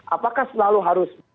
apakah selalu harus